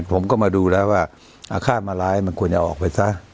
ผมก็มาดูแล้วว่าอาฆาตมาร้ายมันควรจะออกไปซะ